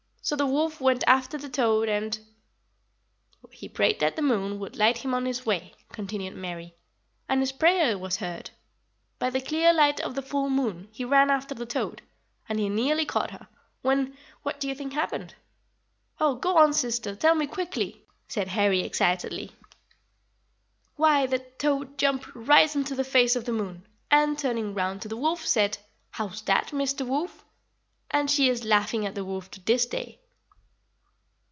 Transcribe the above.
So the wolf went after the toad and " "He prayed that the moon would light him on his way," continued Mary; "and his prayer was heard. By the clear light of the full moon he ran after the toad, and he nearly caught her, when, what do you think happened?" "Oh, go on, sister; tell me quickly!" said Harry excitedly. "Why, the toad jumped right onto the face of the moon, and, turning round to the wolf, said: 'How's that, Mr. Wolf?' And she is laughing at the wolf to this day."